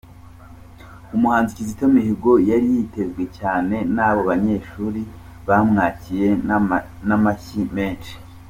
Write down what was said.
Umuhanzi Kizito Mihigo yari yitezwe cyane n’abo banyeshuri bamwakiriye n’amashyi menshi.